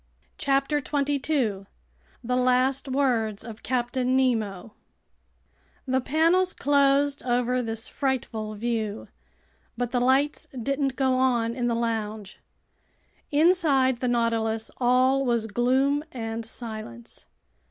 CHAPTER 22 The Last Words of Captain Nemo THE PANELS CLOSED over this frightful view, but the lights didn't go on in the lounge. Inside the Nautilus all was gloom and silence.